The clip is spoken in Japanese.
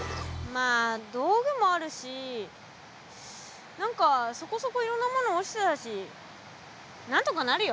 まあ道具もあるし何かそこそこいろんなもの落ちてたしなんとかなるよ。